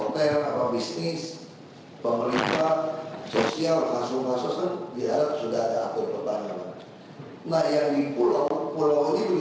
kalau dari pemerintah skp di sedara siapa untuk mengusulkan ini